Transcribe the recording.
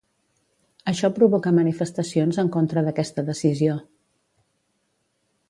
Això provocà manifestacions en contra d'aquesta decisió.